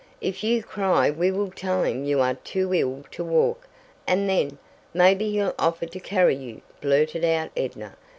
"If you cry we will tell him you are too ill to walk, and then, maybe he'll offer to carry you," blurted out Edna.